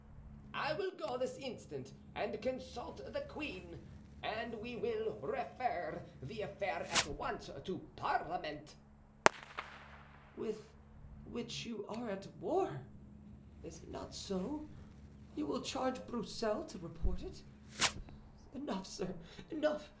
"I will go this instant and consult the queen, and we will refer the affair at once to parliament." "With which you are at war—is it not so? You will charge Broussel to report it. Enough, sir, enough.